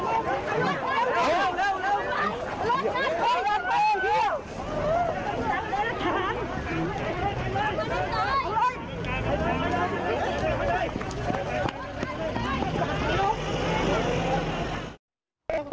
โอ้โห